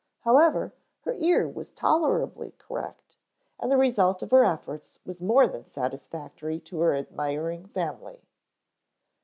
However, her ear was tolerably correct and the result of her efforts was more than satisfactory to her admiring family.